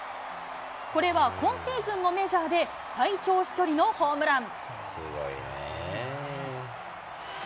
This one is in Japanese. これは今シーズンのメジャーで、最長飛距離のホームラン。